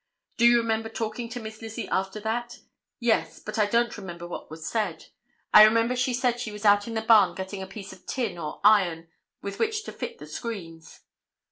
"Do you remember talking to Miss Lizzie after that?" "Yes, but I don't remember what was said. I remember she said she was out in the barn getting a piece of tin or iron with which to fit the screens."